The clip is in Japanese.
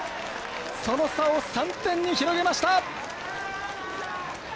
その差を３点に広げました。